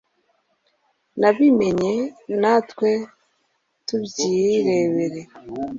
nibabimenye, natwe tubyirebere